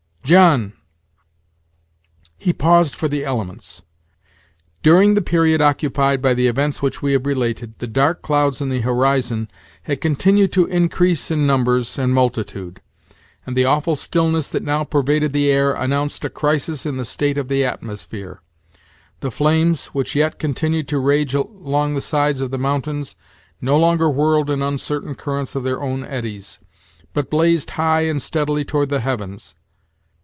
"John " He paused for the elements. During the period occupied by the events which we have related, the dark clouds in the horizon had continued to increase in numbers and multitude; and the awful stillness that now pervaded the air, announced a crisis in the state of the atmosphere. The flames, which yet continued to rage along the sides of the mountain, no longer whirled in uncertain currents of their own eddies, but blazed high and steadily toward the heavens.